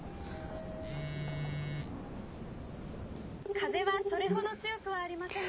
「風はそれほど強くはありませんが」。